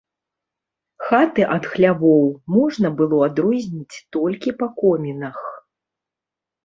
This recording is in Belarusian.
Хаты ад хлявоў можна было адрозніць толькі па комінах.